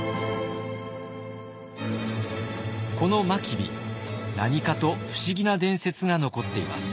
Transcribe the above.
この真備何かと不思議な伝説が残っています。